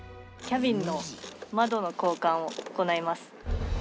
キャビンの窓の交換を行います。